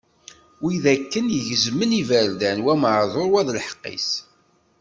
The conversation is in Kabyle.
Wid akken i gezzmen iberdan, wa meɛdur, wa d lḥeqq-is.